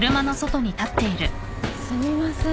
・すみません